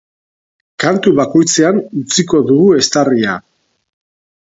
Kantu bakoitzean utziko dugu eztarria.